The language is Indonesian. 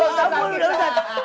ustadz aku mau tarik